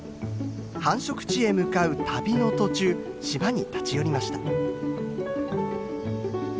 繁殖地へ向かう旅の途中島に立ち寄りました。